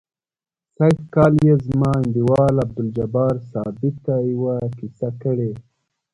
سږ کال یې زما انډیوال عبدالجبار ثابت ته یوه کیسه کړې.